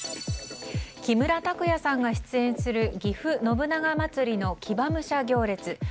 木村拓哉さんが出演するぎふ信長まつりの騎馬武者行列。